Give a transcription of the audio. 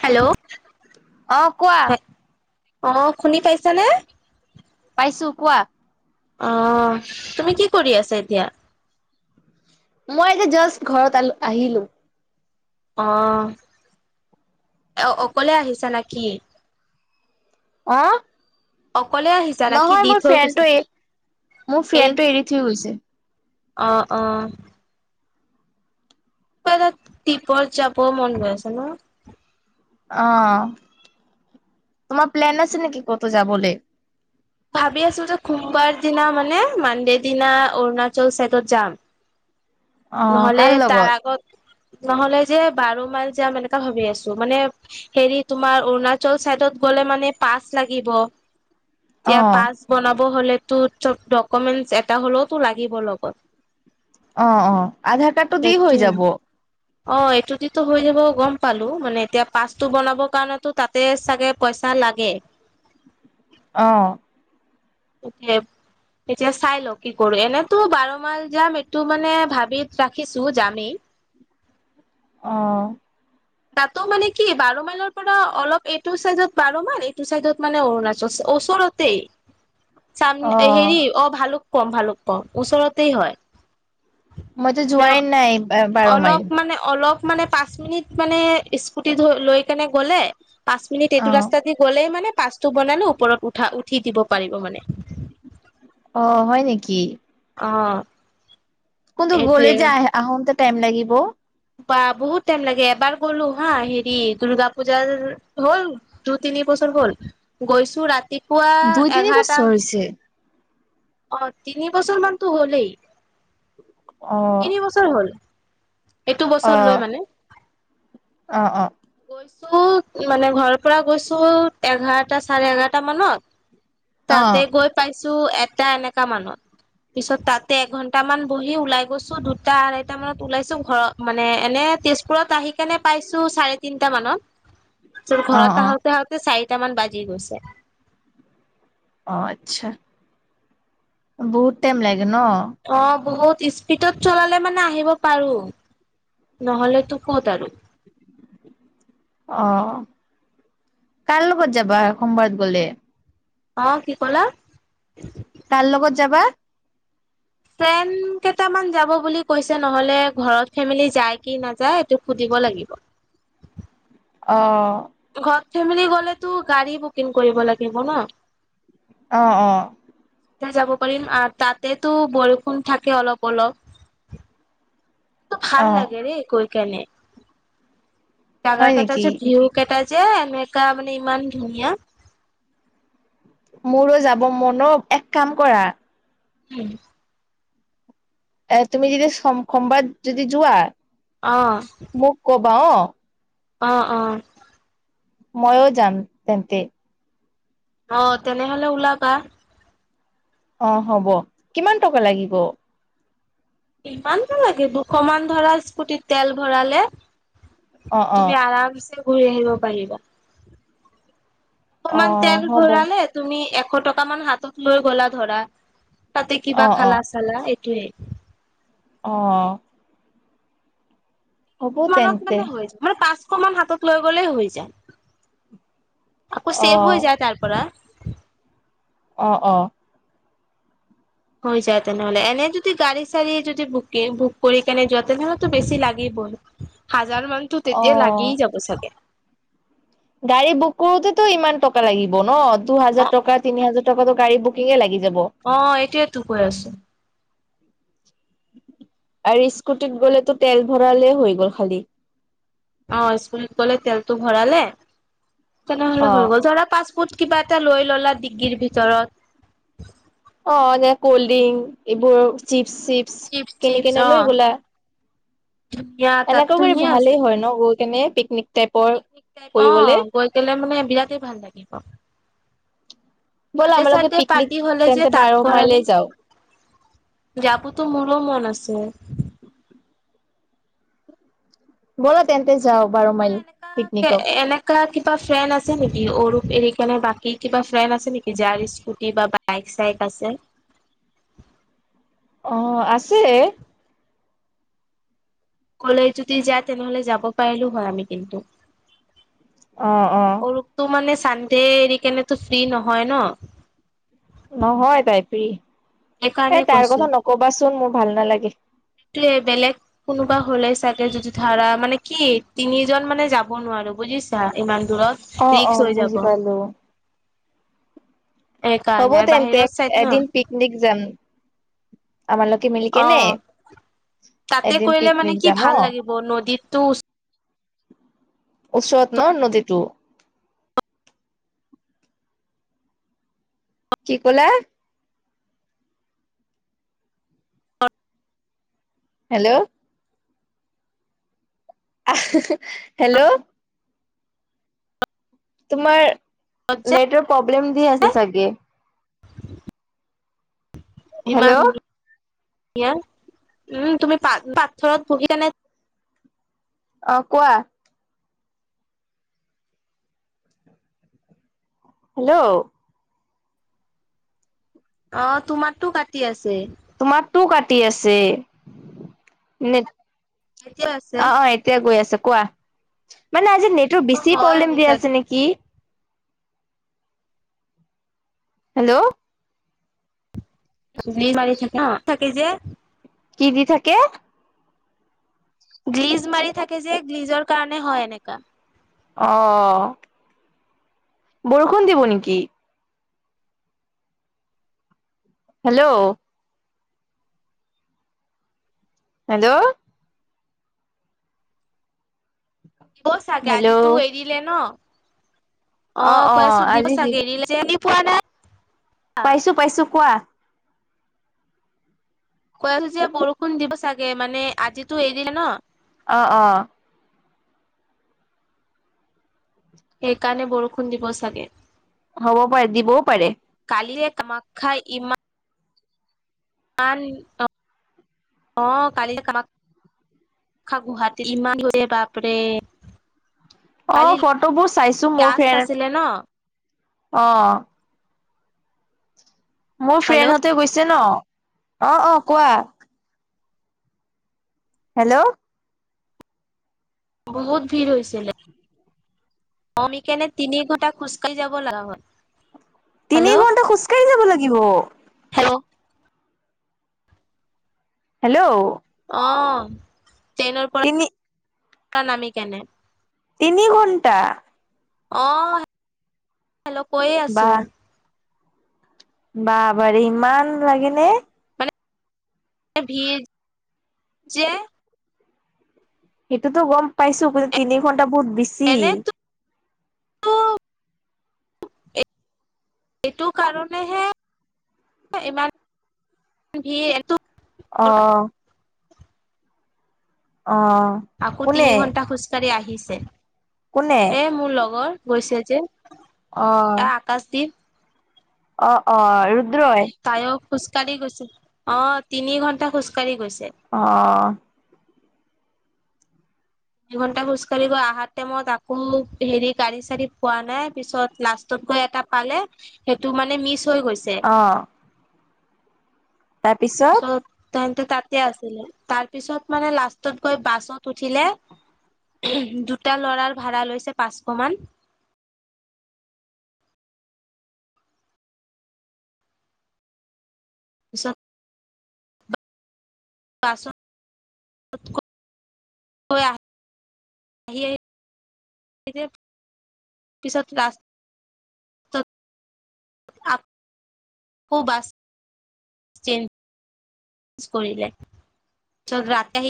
Hello অ', কোৱা? অ', শুনি পাইছানে? পাইছো, কোৱা? অ', তুমি কি কৰি আছা এতিয়া? মই এতিয়া জাষ্ট ঘৰত আহিলো। অ, অকলে আহিছা নে কি? অহ অকলে আহিছে। নহয় মোৰ ফ্ৰেণ্ড টো, এ মোৰ এই ফ্ৰেণ্ডটো এৰি থৈ গৈছে। অ', অ' কিবা এটা টিপত যাবও মন গৈ আছে ন অ' তোমাৰ প্লেন আছে নেকি ক'তো যাবলৈ ভাবি আছো যে খোম্বাৰ দিনা মানে মানডে দিনা অৰুণাচল চাইডত যাম অ কাৰ নহ'লে লগত? তাৰ আগত নহলে যে বাৰ মাইল যাম এনেকা ভাবি আছো মানে হেৰি তোমাৰ অৰুণাচল চাইদত গৈলে মানে পাচ লাগিব অ এতিয়া পাছ বনাব হলেতো চব ডকুমেন্টচ এটা হ'লেওতো লাগিব লগত অ' অ' আধাৰ কাৰ্ডটো দি হৈ সেইটোৱে। যাব [unintelligible] [inaudible] অ' এইটোটিতটো হৈ যাব গম পালো মানে এতিয়া পাচটো বনাবৰ কাৰণেতো তাতে চাগে পইচা লাগে অ' [unintelligible] এতিয়া চাই লও কি কৰো এনেতো বাৰ মাল যাম এইটো মানে ভাবি ৰাখিছো যামেই অ' তাতো মানে কি বাৰ মাইলৰ পৰা অলপ এইটো চাইজত বাৰ মাইল এইটো চাইজত মানে অৰুণাচল ওচৰতেই চাম অ হেৰি অ ভালুকপুং ভালুকপুং কম ওচৰতেই হয় মইতো মানে যোৱাই নাই বাৰ মাইল অলপ মানে অলপ মানে পাঁচ মিনিট মানে স্কুটি লৈ কেনে গলে পাঁচ মিনিট অ এইটো ৰাস্তা দি গলেই মানে পাচটো বনালে ওপৰত উঠা উঠি দিব পাৰিব মানে অ হয় নেকি অ' কিন্তু এইটোৱে গ'লে যে আহতে টাইম লাগিব বা বহুত টাইম লাগে এবাৰ গ'লো হা হেৰি দূৰ্গা পূজাৰ হ'ল দুই তিনি বছৰ হ'ল গৈছো ৰাতিপুৱা দুই তিনি এঘাৰটা বছৰ হৈছে। অ' তিনি বছৰ মানতো হলেই অ তিনি বছৰ হ'ল এইটো অ বছৰ লৈ মানে অ' অ' গৈছো মানে ঘৰৰ পৰা গৈছো এঘাৰটা চাৰে এঘাৰটা মানত তাতে অ গৈ পাইছো এটা এনেকা মানত পিছত তাতে এঘন্টা মান বহি ওলাই গৈছো দুটা আঢ়টা মানত ওলাইছো ঘৰত মানে এনে তেজপুৰত আহি কেনে পাইছো চাৰি তিনটা মানত পিছত অ', ঘৰত অ', আহোতে আহোতে চাৰিট মান বাজি গৈছে অ' আচ্ছা বহুত টাইম লাগে ন অ' বহুত স্পীডত চলালে মানে আহিব পাৰো নহলে তো ক'ত আৰু অ' কাৰ লগত যাবা সোমবাৰত গলে অ' কি ক'লা কাৰ লগত যাবা? ফ্ৰেণ্ড কেইটামান যাব বুলি কৈছে নহ'লে, ঘৰত ফেমিলি যায় কি নাযায় সেইটো সুধিব লাগিব। অহ',। ঘৰত ফেমেলি গ'লেতো গাড়ী বুকিং কৰিব লাগিব ন। অ', -অ',। তেতিয়াহে যাব পাৰিম আৰু তাতেতো বৰষুণ থাকে অলপ-অলপ। ভাল অ', লাগে ৰে গৈ কেনে। জাগা হয় কেইটা নেকি? যে ভিউ কেইটা যে এনেকা মানে ইমান ধুনীয়া। মোৰো যাব মন ও, এক কাম কৰা। উম',। এ', তুমি যদি সোম-সোমবাৰ যদি যোৱা। অ',। মোক কবা, অ',। অ', -অ',। ময়ো যাম, তেন্তে। অ', তেনেহলে ওলাবা। অ', হ'ব, কিমান টকা লাগিব? ইমানটো লাগিব, দুশমান ধৰা স্কুটিত তেল ভৰালে? অ', অ', তুমি আৰামছে ঘূৰি আহিব পাৰিবা। দুশমান অ', তেল হ'ব ভৰালে। তুমি এশ টকা মান হাতত লৈ গ'লা ধৰা, তাতে কিবা অ', অ', খালা-চালা এইটোয়ে। অহ',। হ'ব সিমানতে তেন্তে মানে হৈ যায়, মানে পাঁচশমান হাতত লৈ গ'লেই হয় যায়। আকৌ চেভ হৈ অ', যায় তাৰ পৰা। অ', -অ',। হৈ যায় তেনেহলে, এনেই যদি গাড়ী-চাৰি যদি বুকে-বুক কৰি কেনে যোৱা তেনেহ'লে তো বেছি লাগেই। হাজাৰ মানতো তেতিয়া অ', লাগিই যাব চাগে। গাড়ী বুক কৰোতে তো ইমান টকা লাগিব ন? অ দুহাজাৰ টকা তিনি হাজাৰ। টকাতো গাড়ী বুকিং এ লাগি যাব। অ', এইটোয়ে তো কৈ আছোঁ। আৰু স্কুটিত গ'লেতো তেল ভৰালে হৈ গ'ল খালি। অ', স্কুটিত গ'লে তেলটো ভৰালে, অ তেনেহলে হৈ গল ধৰা পাঁচফুট। কিবা এটা লৈ ল'লা ডিগগিৰ ভিতৰত। অ' এনে কল্ড ড্ৰিংক, এইবোৰ চিপছ-সিপছ চিপছ কিনি চিপছ কেনে অ লৈ গ'লা। ধুনীয়া তাত এনেকৈ কৰি ধুনীয়া আছে। ভালেই হয় ন গৈ কেনে পিকনিক টাইপৰ, কৰিবলে? গেলে মানে বিৰাটেই ভাল লাগে তাত। ব'লা আমালোকে বাৰ্থডে-চাৰডে পিকনিক পাৰ্টি হ'লে যে তেন্তে বাৰ তাত কৰা মাইলে নাই। যাওঁ যাব তো মোৰো মন আছে। বোলা তেন্তে যাওঁ বাৰমাইল, পিকনিকত। এনেকুৱা কিবা ফ্ৰেণ্ড আছে নেকি, অৰুপ এৰি কেনে বাকী কিবা ফ্ৰেণ্ড আছে নেকি যাৰ স্কুটি বা বাইক? বাইক-চাইক আছে? অহ', আছেই। ক'লে যদি যায় তেনেহ'লে যাব পাৰিলোঁ হয় আমি কিন্তু। অ', -অ',। অৰুপ তো মানে চানডে এৰি কেনে তো ফ্ৰী নহয় ন? নহয়, তাৰ [unintelligible] সেইকাৰণে এ তাইৰ কৈছো কথা নকবা চোন, মোৰ ভাল নালাগে। তে' বেলেগ কোনোবা হ'লে চাগে যদি ধৰা, মানে কি তিনিজন মানে যাব নোৱাৰো বুজিছা, ইমান দূৰত। অ' অ', ৰিক্স হৈ যাব বুজি পালো। হ'ব সেইকাৰণে আৰু তেন্তে বাহিৰত চাইড ন এদিন পিকনিক যাম, আমাৰ লোকে মিলি অ কিনে তাতে কৰিলে মানে কি যাম অ ভাল লাগিব নদীতো ওচৰত ন নদীটো। কি ক'লা? হেল্ল'। [unintelligible] হেল্ল'। তোমাৰ, ওচৰত যে নেটৱৰ্ক প্ৰব্লেম দি আছে চাগে। ইমান, হেল্ল' [unintelligible] উম তুমি পাথ পাথৰত বহি কিনে অ' কোৱা। হেল্ল'। অ', তোমাৰ তো কাটি আছে। তোমাৰটো কাটি আছে, নে, এতিয়াও আছে অ' এ এতিয়া গৈ আছে কোৱা, মানে আজি নেটৱৰ্ক অ' বেছি হয় প্ৰব্লেম দিয়া এনেকা আছে নেকি? হেল্ল'। নিল মাৰি থাকে ন, থাকে যে। কি দি থাকে? গ্লিজ মাৰি থাকে যে, গ্লিজৰ কাৰণে হ'য় এনেকা। অ' বৰষুণ দিব নেকি? হেল্ল'। হেল্ল'। দিব চাগে, হেল্ল' আজি তো এৰিলে ন। অ অ', অ কয় আছো দিব আজি দি চাগে, [unintelligible] পোৱা নাই। পাইছো, পাইছো কোৱা। কৈ আছো যে বৰষুণ দিব চাগে মানে আজিতো এৰিলে ন। অ', অ'। সেইকাৰণে বৰষুণ দিব চাগে। হ'বও পাৰে, দিবও পাৰে। কালিৰে কামাখ্যা ইমা মান, অ' কালি কামাখ্যা গুৱাহাটী ইমান [unintelligible] বাপৰে। অ', কালি ফটোবোৰ চাইছো মোৰ লাষ্ট ফেন, আছিলে ন অ'। মোৰ হেল্ল' ফ্ৰেণ্ডহঁতে গৈছে ন, অ' অ' কোৱা। হেল্ল'। বহুত ভিৰ হৈছিলে। অ', সেইকাৰনে তিনি ঘন্টা খোজকাঢ়ি যাব লগা হ'ল। তিনি হেল্ল' ঘণ্টা খোজকাঢ়ি যাব লাগিব। Hello hello. অ ', ট্ৰেইনৰ পৰা তিনি নামি কেনে। তিনি ঘণ্টা? অ হেল্ল' কৈয়ে আছো। বা বাৰী ইমান লাগে নে? এ ভীৰ যে। সেইটোতো গম পাইছো কিন্তু তিনি ঘন্টা বহুত বেছি। এনেতো এইটো কাৰণেহে ইমান ভিৰ, এইটো অ। অ! আকৌ কোনে তিনি ঘণ্টা খোজকাঢ়ি আহিছে, কোনে এ মোৰ লগৰ গৈছে যে। অ। [unintelligible] অ অ ৰুদ্ৰই। তাইয়ো খোজকাঢ়ি গৈছে, অ তিনি ঘণ্টা খোজকাাঢ়ি গৈছে। অ। এঘন্টা খোজকাঢ়ি গৈ আহাৰ টাইমত আকৌ হেৰি গাড়ী চাড়ী পোৱা নাই পিছত লাষ্ট টত গৈ এটা পালে, সেইটো মানে মিচ হৈ গৈছে। অ', তাৰপিছত তেন্তে তাতে আছিলে, তাৰ পিছত মানে লাষ্টত গৈ বাছত উঠিলে। উহু, দুটা লৰাৰ ভাড়া লৈছে পাঁচশমান। পিছত? [unintelligible] হয় আহ [unintelligible] এতিয়া, পিছত লাষ্ট সৌ বাছ, ছেন [unintelligible] কৰিলে, ত' ৰাত আহি